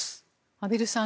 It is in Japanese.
畔蒜さん